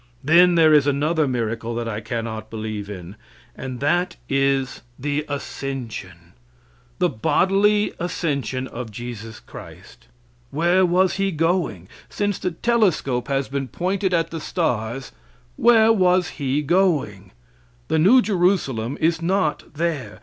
Then there is another miracle that I cannot believe in, and that is the ascension the bodily ascension of Jesus Christ. Where was He going? Since the telescope has been pointed at the stars, where was He going? The New Jerusalem is not there.